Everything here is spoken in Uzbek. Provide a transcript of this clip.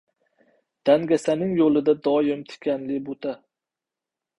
• Dangasaning yo‘lida doim tikanli buta.